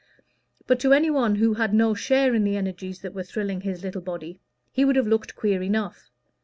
But to any one who had no share in the energies that were thrilling his little body, he would have looked queer enough.